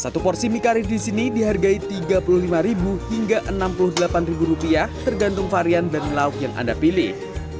satu porsi mie karir di sini dihargai rp tiga puluh lima hingga rp enam puluh delapan tergantung varian dan lauk yang anda pilih